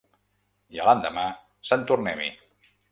I a l’endemà, sant tornem-hi.